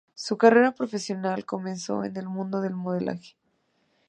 Su carrera profesional comenzó en el mundo del modelaje.